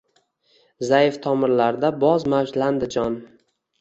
Zaif tomirlarda boz mavjlandi jon